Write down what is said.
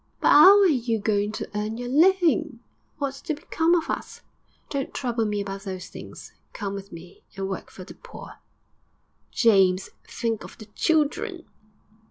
'But 'ow are you going to earn your living? What's to become of us?' 'Don't trouble me about those things. Come with me, and work for the poor.' 'James, think of the children!'